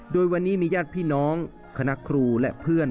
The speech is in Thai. โดยวันนี้มีญาติพี่น้องคณะครูและเพื่อน